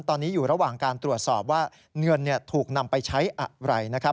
ตอนนี้อยู่ระหว่างการตรวจสอบว่าเงินถูกนำไปใช้อะไรนะครับ